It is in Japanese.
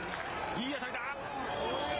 いい当たりだ。